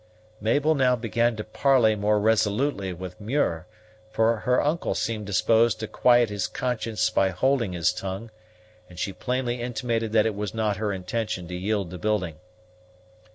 Mabel now began to parley more resolutely with Muir, for her uncle seemed disposed to quiet his conscience by holding his tongue, and she plainly intimated that it was not her intention to yield the building.